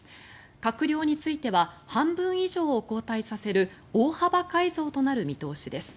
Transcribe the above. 閣僚については半分以上を交代させる大幅改造となる見通しです。